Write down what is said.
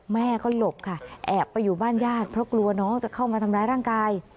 แม่ก็หลบค่ะแอบไปอยู่บ้านญาติเพราะกลัวน้องจะเข้ามาทำร้ายร่างกาย